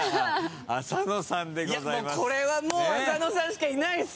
これはもう浅野さんしかいないっす。